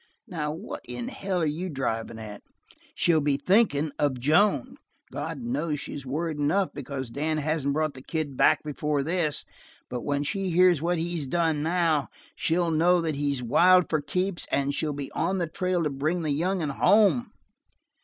"Now, what in hell are you driving at?" "She'll be thinkin' of Joan. God knows she worried enough because Dan hasn't brought the kid back before this, but when she hears what he's done now, she'll know that he's wild for keeps and she'll be on the trail to bring the young'un home."